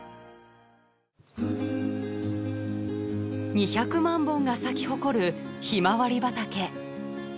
２００万本が咲き誇るひまわり畑。